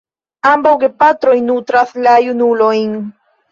Ambaŭ gepatroj nutras la junulojn.